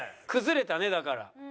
崩れたねだから。